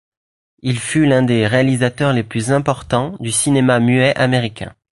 Il fut l'un des réalisateurs les plus importants du cinéma muet américain.